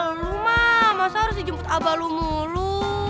rumah masa harus dijemput abang lo mulu